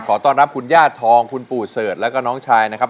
ขอต้อนรับคุณย่าทองคุณปู่เสิร์ชแล้วก็น้องชายนะครับ